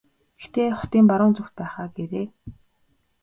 Гэхдээ хотын баруун зүгт байх аа гээрэй.